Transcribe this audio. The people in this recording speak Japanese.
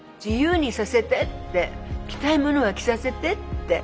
着たいものは着させてって。